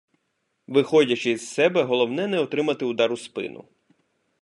Виходячи із себе, головне не отримати удар у спину.